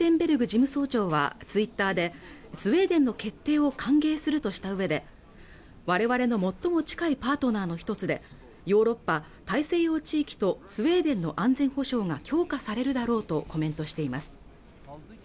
事務総長はツイッターでスウェーデンの決定を歓迎するとしたうえで我々の最も近いパートナーの一つでヨーロッパ大西洋地域とスウェーデンの安全保障が強化されるだろうとコメントしています